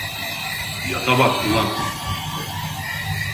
Yata bak ulan!